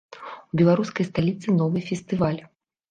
У беларускай сталіцы новы фестываль.